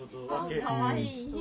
かわいい。